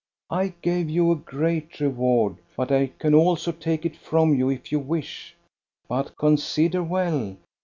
I gave you a great reward ; but I can also take it from you if you wish. But consider well.